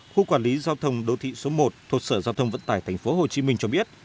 khu quản lý giao thông đô thị số một thuộc sở giao thông vận tải tp hcm cho biết